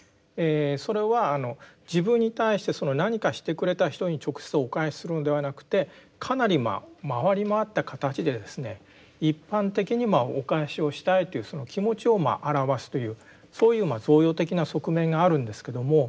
それはあの自分に対して何かしてくれた人に直接お返しするのではなくてかなり回り回った形で一般的にお返しをしたいという気持ちを表すというそういう贈与的な側面があるんですけども。